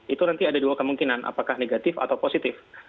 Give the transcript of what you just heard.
itu nanti ada dua kemungkinan apakah negatif atau positif